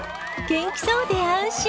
元気そうで安心。